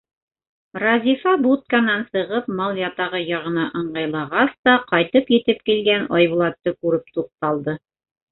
Разифа, будканан сығып мал ятағы яғына ыңғайлағас та, ҡайтып етеп килгән Айбулатты күреп туҡталды.